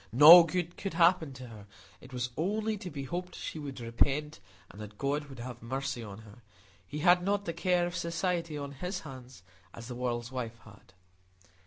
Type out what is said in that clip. No good could happen to her; it was only to be hoped she would repent, and that God would have mercy on her: He had not the care of society on His hands, as the world's wife had.